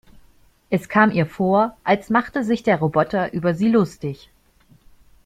Es kam ihr vor, als machte sich der Roboter über sie lustig.